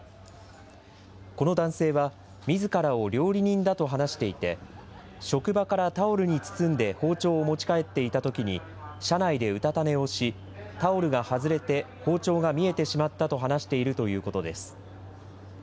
この男性は、みずからを料理人だと話していて、職場からタオルに包んで包丁を持ち帰っていたときに、車内でうたた寝をし、タオルが外れて包丁が見えてしまったと話しているということです。